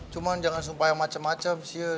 cuman jangan sumpah yang macem macem sih